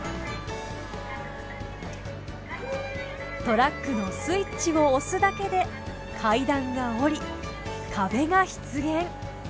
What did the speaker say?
トラックのスイッチを押すだけで階段が下り壁が出現。